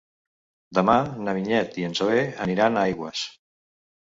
Demà na Vinyet i na Zoè aniran a Aigües.